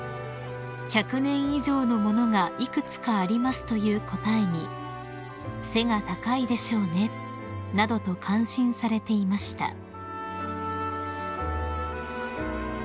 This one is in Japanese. ［「１００年以上のものが幾つかあります」という答えに「背が高いでしょうね」などと感心されていました］